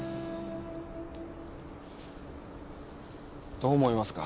どう思いますか？